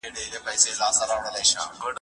رېدي د اصفهان په سیند کې خپل مخ ومینځه.